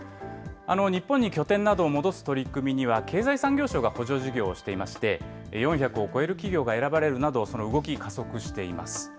日本に拠点などを戻す取り組みには、経済産業省が補助事業をしていまして、４００を超える企業が選ばれるなど、その動き、加速しています。